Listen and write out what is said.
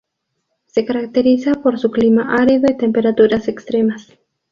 Se caracteriza por su clima árido y temperaturas extremas.